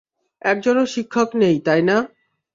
একজনও শিক্ষক নেই, তাই না?